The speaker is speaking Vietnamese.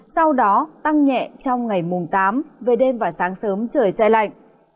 sau đó tăng nhẹ trong ngày mùng tám về đêm và sáng sớm trời xe lạnh